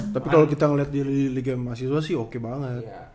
tapi kalau kita ngeliat di liga mahasiswa sih oke banget